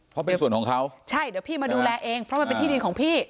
เพราะเป็นส่วนของเขาใช่เดี๋ยวพี่มาดูแลเองเพราะมันเป็นที่ดินของพี่